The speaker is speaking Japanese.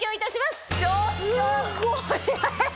すっごい。